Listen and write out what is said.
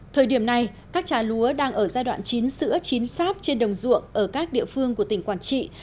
thời điểm này các trà lúa đang ở giai đoạn chín sữa chín sáp trên đồng ruộng ở các địa phương của tỉnh quảng trị